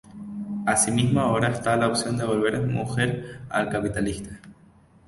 Así mismo, ahora está la opción de volver mujer al capitalista.